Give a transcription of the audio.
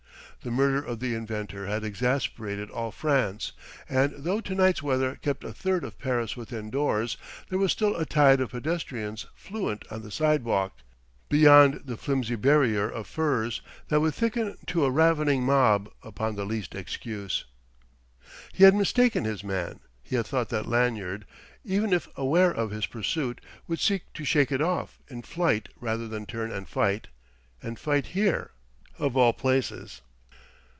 The murder of the inventor had exasperated all France; and though tonight's weather kept a third of Paris within doors, there was still a tide of pedestrians fluent on the sidewalk, beyond the flimsy barrier of firs, that would thicken to a ravening mob upon the least excuse. He had mistaken his man; he had thought that Lanyard, even if aware of his pursuit, would seek to shake it off in flight rather than turn and fight and fight here, of all places!